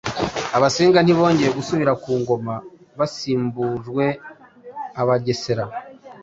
Abasinga ntibongeye gusubira ku ngoma. Basimbujwe Abagesera.